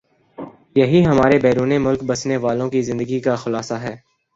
یہی ہماری بیرون ملک بسنے والوں کی زندگی کا خلاصہ ہے